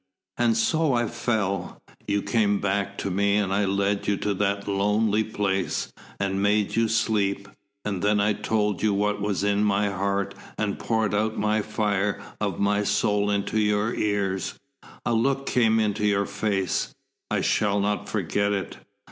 And so I fell. You came back to me and I led you to that lonely place, and made you sleep, and then I told you what was in my heart and poured out the fire of my soul into your ears. A look came into your face I shall not forget it.